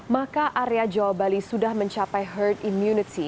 maka area jawa bali sudah mencapai herd immunity